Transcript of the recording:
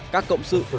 các cộng sự